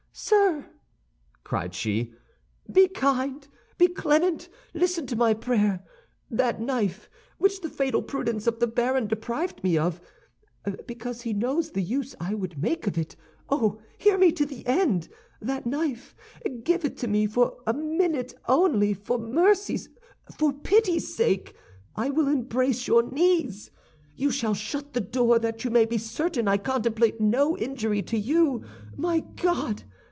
"Sir," cried she, "be kind, be clement, listen to my prayer! That knife, which the fatal prudence of the baron deprived me of, because he knows the use I would make of it! Oh, hear me to the end! that knife, give it to me for a minute only, for mercy's, for pity's sake! I will embrace your knees! You shall shut the door that you may be certain I contemplate no injury to you! My God!